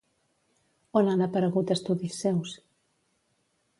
On han aparegut estudis seus?